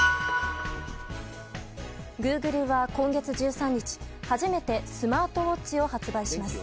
グーグルは今月１３日初めてスマートウォッチを発売します。